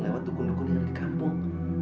lewat dukun dukun yang ada di kampung